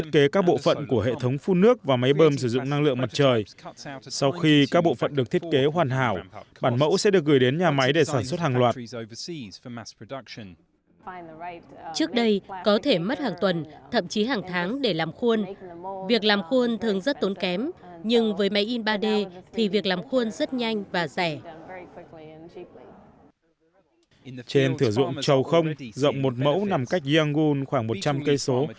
trên thử dụng chầu không rộng một mẫu nằm cách yangon khoảng một trăm linh cây số